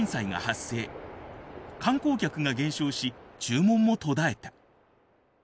観光客が減少し注文も途絶えた。